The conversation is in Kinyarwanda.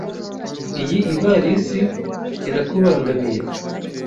Iyi ivarisi irakubangamiye?